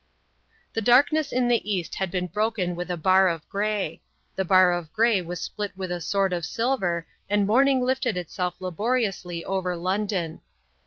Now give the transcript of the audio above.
The darkness in the east had been broken with a bar of grey; the bar of grey was split with a sword of silver and morning lifted itself laboriously over London.